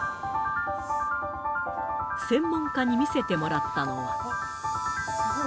専門家に見せてもらったのは。